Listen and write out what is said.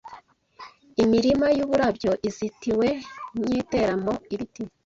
imirima y’uburabyo izitiwe nyiteramo ibiti